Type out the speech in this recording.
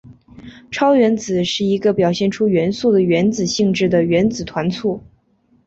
超原子是一个表现出元素的原子性质的原子团簇。